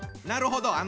なるほど。